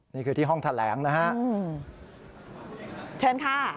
นี่คือที่ห้องแข่งสินค้า